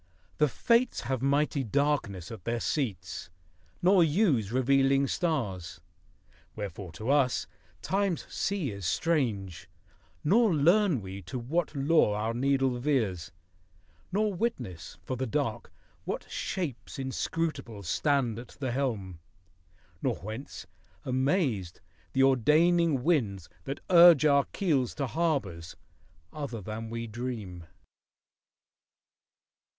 The Fates have mighty darkness at their seats, Nor use revealing stars. Wherefore to us Time's sea is strange, nor learn we to what Law Our needle veers, nor witness, for the Dark, What Shapes inscrutable stand at the helm, Nor whence (amazed) the ordaining winds that urge Our keels to harbors other than we dream.